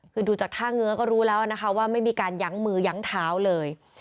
คือดูจากท่าเงื้อก็รู้แล้วนะคะว่าไม่มีการยั้งมือยั้งเท้าเลย